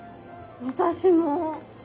私も。